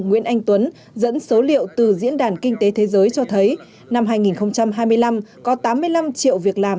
nguyễn anh tuấn dẫn số liệu từ diễn đàn kinh tế thế giới cho thấy năm hai nghìn hai mươi năm có tám mươi năm triệu việc làm